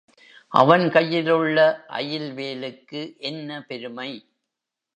அவன் கையிலுள்ள அயில் வேலுக்கு என்ன பெருமை?